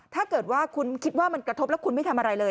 ถ้าเกิดว่าคุณคิดว่ามันกระทบแล้วคุณไม่ทำอะไรเลย